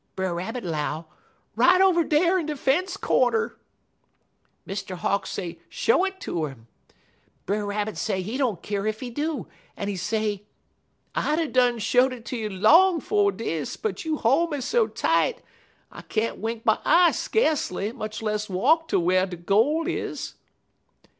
"Brer Rabbit low, 'Right over dar in de fence cornder.' "Mr. Hawk say show it ter 'im. Brer Rabbit say he don't keer ef he do, en he say: "'I'd 'a' done show'd it ter you long 'fo' dis, but you hol' me so tight, I can't wink my eye skacely, much less walk ter whar de gol' is.'